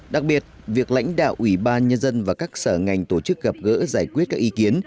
đặc biệt việc lãnh đạo ủy ban nhân dân và các sở ngành tổ chức gặp gỡ giải quyết các ý kiến